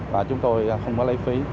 và chúng tôi không có lấy phí